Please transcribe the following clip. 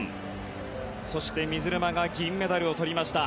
そして水沼が銀メダルをとりました。